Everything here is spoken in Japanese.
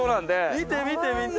見て見てみんな！